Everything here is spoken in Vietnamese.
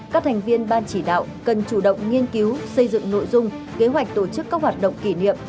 các thành viên ban chỉ đạo cần chủ động nghiên cứu xây dựng nội dung kế hoạch tổ chức các hoạt động kỷ niệm